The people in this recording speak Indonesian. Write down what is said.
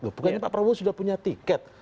loh bukan pak prabowo sudah punya tiket